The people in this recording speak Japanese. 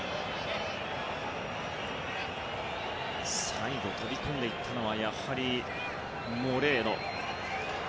最後、飛び込んでいったのはやはりモレーノ。